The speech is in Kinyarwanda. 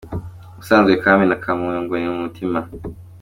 Ubusanzwe kami ka muntu ngo ni umutima we.